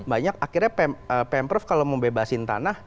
akhirnya pemprov kalau mau membebasin tanah